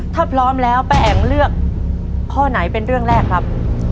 ถ้าพร้อมแล้วป้าแอ๋งเลือกข้อไหนเป็นเรื่องแรกครับ